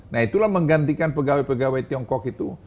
nah itulah menggantikan pegawai pegawai tiongkok itu